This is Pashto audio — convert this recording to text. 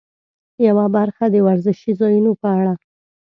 یوه برخه د ورزشي ځایونو په اړه.